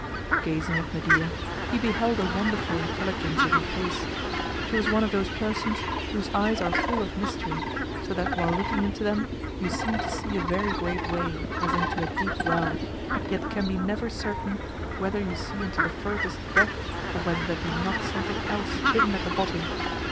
Gazing at Medea, he beheld a wonderful intelligence in her face. She was one of those persons whose eyes are full of mystery; so that while looking into them, you seem to see a very great way, as into a deep well, yet can never be certain whether you see into the furthest depths or whether there be not something else hidden at the bottom.